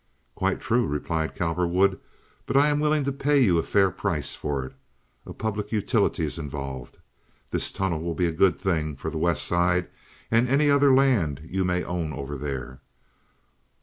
"Quite true," replied Cowperwood, "but I am willing to pay you a fair price for it. A public utility is involved. This tunnel will be a good thing for the West Side and any other land you may own over there.